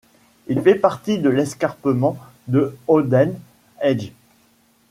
Il fait partie de l'escarpement de Howden Edge.